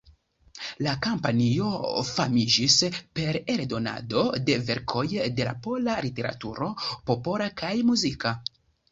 La kompanio famiĝis per eldonado de verkoj de la pola literaturo, popola kaj muzika.